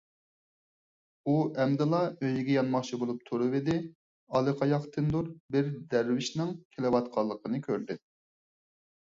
ئۇ ئەمدىلا ئۆيىگە يانماقچى بولۇپ تۇرۇۋىدى، ئاللىقاياقتىندۇر بىر دەرۋىشنىڭ كېلىۋاتقانلىقىنى كۆردى.